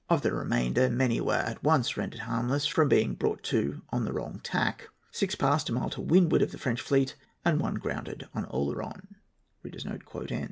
Of the remainder, many were at once rendered harmless from being brought to on the wrong tack. Six passed a mile to windward of the French fleet, and one grounded on Oleron."